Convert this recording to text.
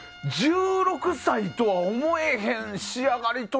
１６歳とは思えへん仕上がりと。